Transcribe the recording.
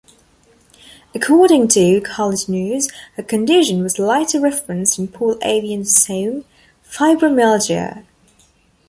According to "College News," her condition was later referenced in Paul Avion's song "Fibromyalgia".